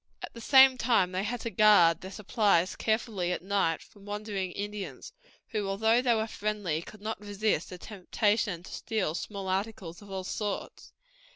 At the same time they had to guard their supplies carefully at night from wandering Indians, who, although they were friendly, could not resist the temptation to steal small articles of all sorts.